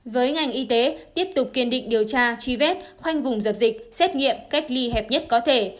với ngành y tế tiếp tục kiên định điều tra truy vết khoanh vùng dập dịch xét nghiệm cách ly hẹp nhất có thể